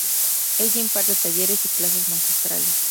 Ella imparte talleres y clases magistrales.